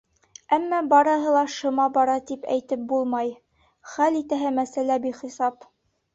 Әммә барыһы ла шыма бара тип әйтеп булмай, хәл итәһе мәсьәлә бихисап.